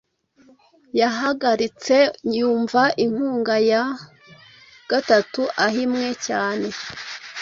Yahagarite, yumva inkunga ya gatatu ahimwe cyane